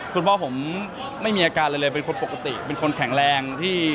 คุณพ่อผมไม่มีอาการอะไรเลยเป็นคนปกติเป็นคนแข็งแรง